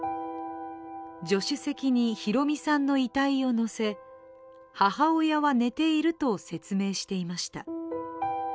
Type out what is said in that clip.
助手席に博美さんの遺体を乗せ母親は寝ていると説明していました。